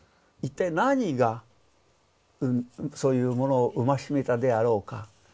一体何がそういうものを生ましめたであろうか。